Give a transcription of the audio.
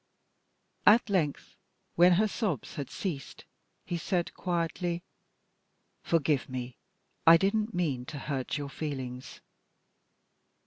At length, when her sobs had ceased, he said, quietly "Forgive me. I didn't mean to hurt your feelings."